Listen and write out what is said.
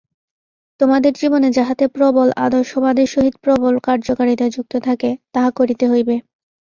তোমাদের জীবনে যাহাতে প্রবল আদর্শবাদের সহিত প্রবল কার্যকারিতা যুক্ত থাকে, তাহা করিতে হইবে।